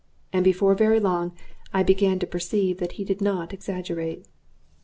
And before very long I began to perceive that he did not exaggerate.